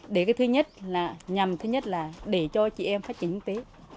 để cái thứ nhất là nhằm thứ nhất là để cho chị em phát triển kinh tế